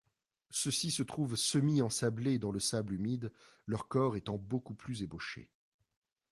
Ceux-ci se trouvent semi-ensablés dans le sable humide, leurs corps étant beaucoup plus ébauchés.